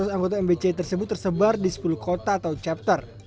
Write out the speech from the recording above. satu delapan ratus anggota mbci tersebut tersebar di sepuluh kota atau chapter